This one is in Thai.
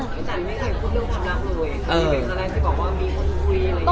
คุณอาจารย์ไม่เคยพูดเรื่องความรักด้วยคุณเป็นคนแรกที่บอกว่ามีคนคุยอะไรอย่างนั้น